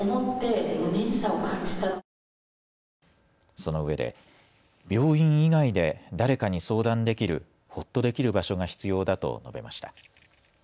そのうえで病院以外で誰かに相談できるほっとできる場所が必要だと述べました。